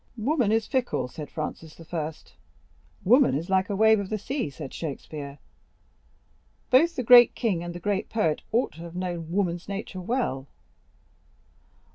"'Woman is fickle.' said Francis I.; 'woman is like a wave of the sea,' said Shakespeare; both the great king and the great poet ought to have known woman's nature well."